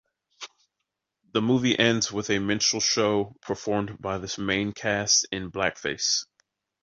The movie ends with a minstrel show performed by the main cast in blackface.